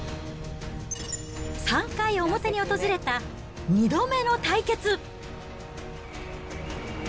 ３回表に訪れた２度目の対決。